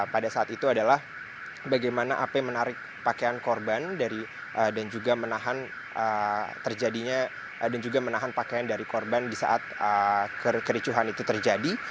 pada saat itu adalah bagaimana ap menarik pakaian korban dan juga menahan terjadinya dan juga menahan pakaian dari korban di saat kericuhan itu terjadi